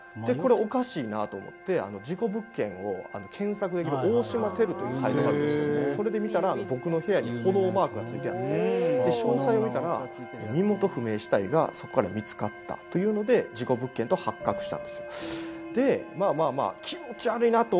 おかしいなと思って事故物件を検索できる大島てるというサイトがあるんですけど、で、見たら僕の部屋に炎マークがついてあって、詳細を見たら、身元不明死体がそこから見つかったというので、事故物件で発覚したんですよ。